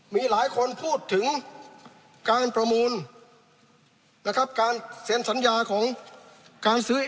มีหลายคนพูดถึงการประมูลนะครับการเซ็นสัญญาของการซื้อ